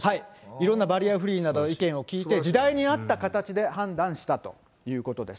いろんなバリアフリーなどの意見を聞いて、時代に合った形で判断したということです。